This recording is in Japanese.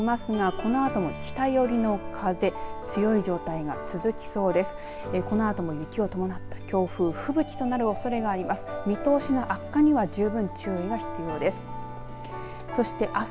このあとも雪を伴った強風吹雪となるおそれがあります。